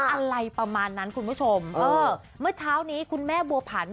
อะไรประมาณนั้นคุณผู้ชมเมื่อเช้านี้คุณแม่บัวผัน